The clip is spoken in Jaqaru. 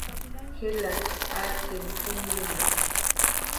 jilapsa atyimkinhna